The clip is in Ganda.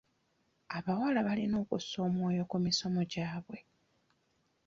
Abawala balina okussa omwoyo ku misomo gyabwe.